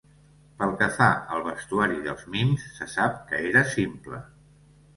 Pel que fa al vestuari dels mims se sap que era simple.